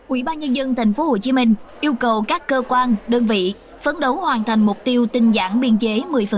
ubnd tp hcm yêu cầu các cơ quan đơn vị phấn đấu hoàn thành mục tiêu tinh giản biên chế một mươi